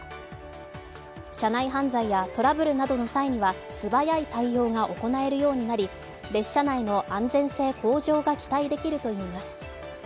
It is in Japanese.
車内犯罪やトラブルなどの際には素早い対応が行わえるようになり列車内の安全性向上が期待できるといいます。